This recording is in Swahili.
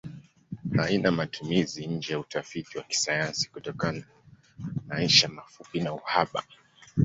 Haina matumizi nje ya utafiti wa kisayansi kutokana maisha mafupi na uhaba.